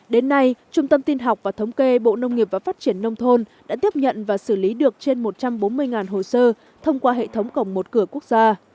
đến nay trung tâm tin học và thống kê bộ nông nghiệp và phát triển nông thôn đã tiếp nhận và xử lý được trên một trăm bốn mươi hồ sơ thông qua hệ thống cổng một cửa quốc gia